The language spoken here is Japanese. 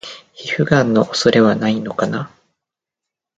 皮膚ガンの恐れはないのかな？